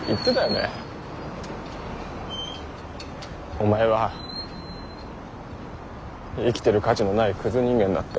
「お前は生きてる価値のないクズ人間だ」って。